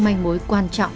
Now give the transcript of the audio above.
mành mối quan trọng